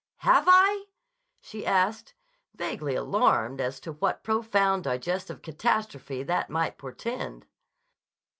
Have I?" she asked, vaguely alarmed as to what profound digestive catastrophe that might portend.